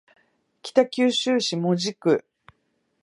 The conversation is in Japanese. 北九州市門司区